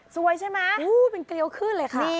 สวยใช่ไหมเป็นเกลียวขึ้นเลยค่ะ